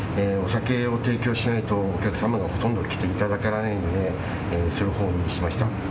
お酒を提供しないとお客様がほとんど来ていただけないのでするほうにしました。